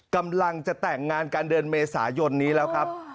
กำลังจะแต่งงานกันเดือนเมษายนนี้แล้วครับ